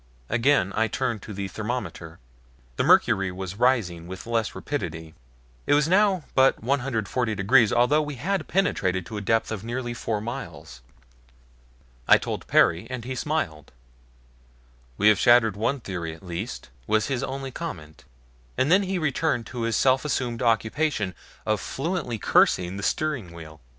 Again I turned to the thermometer. The mercury was rising with less rapidity. It was now but 140 degrees, although we had penetrated to a depth of nearly four miles. I told Perry, and he smiled. "We have shattered one theory at least," was his only comment, and then he returned to his self assumed occupation of fluently cursing the steering wheel.